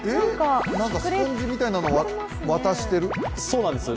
スポンジみたいのを渡してる？